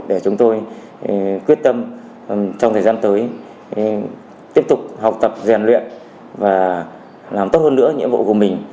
để chúng tôi quyết tâm trong thời gian tới tiếp tục học tập rèn luyện và làm tốt hơn nữa nhiệm vụ của mình